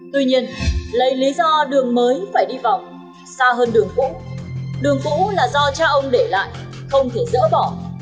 tuy nhiên lấy lý do đường mới phải đi vòng xa hơn đường cũ đường cũ là do cha ông để lại không thể dỡ bỏ